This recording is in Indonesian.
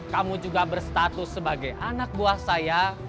kamu juga berstatus sebagai anak buah saya